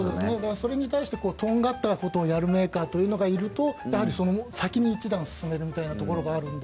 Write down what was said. それに対してとんがったことをやるメーカーというのがいるとやはりその先に一段進めるところがあるので。